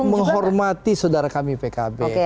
menghormati saudara kami pkb